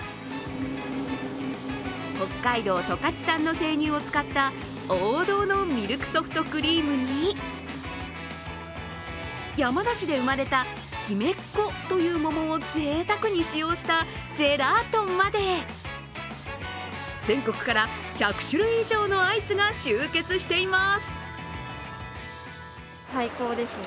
北海道・十勝産の生乳を使った王道のミルクソフトクリームに山梨で生まれたひめっこという桃をぜいたくに使用したジェラートまで、全国から１００種類以上のアイスが集結しています。